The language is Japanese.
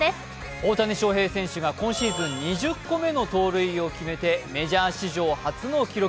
大谷翔平選手が今シーズン２０個目の盗塁を決めてメジャー史上初の記録。